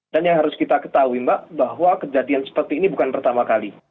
dan yang harus kita ketahui mbak bahwa kejadian seperti ini bukan pertama kali